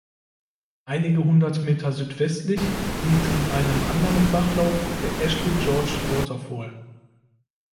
Einige hundert Meter südwestlich liegt in einem anderen Bachlauf der Ashley Gorge Waterfall.